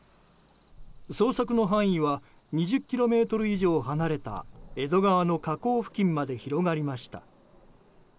捜索の範囲は２０ｋｍ以上離れた江戸川の河口付近まで広がりました。